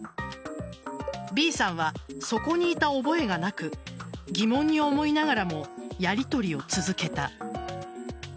Ｂさんは、そこにいた覚えがなく疑問に思いながらもやりとりを続けた。